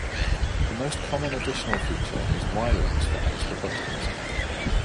The most common additional feature is wirings for extra buttons.